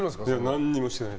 何もしてない。